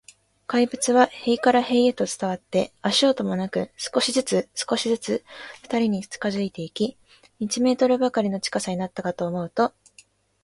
怪物は塀から塀へと伝わって、足音もなく、少しずつ、少しずつ、ふたりに近づいていき、一メートルばかりの近さになったかと思うと、